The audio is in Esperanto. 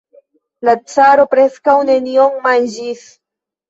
La caro preskaŭ nenion manĝis.